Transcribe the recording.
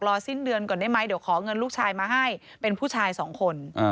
สิ้นเดือนก่อนได้ไหมเดี๋ยวขอเงินลูกชายมาให้เป็นผู้ชายสองคน